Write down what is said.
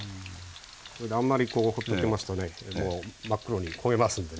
それであんまりこうほっときますとね真っ黒に焦げますんでね